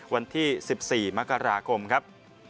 วันที่๑๔มกราคมครับ